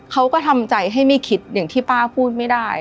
เขาก็ทำใจให้ไม่คิดอย่างที่ป้าพูดไม่ได้